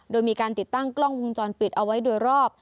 โดยมีการติดตั้งกล้องวงจรปิดเอาไว้โดยรอบ